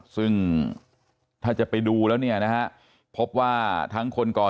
ซึ่งถ้าจะไปดูแล้วเนี่ยนะฮะพบว่าทั้งคนก่อเหตุ